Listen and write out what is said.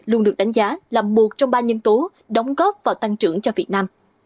luôn được đánh giá là một trong ba nhân tố đóng góp vào tăng trưởng cho việt nam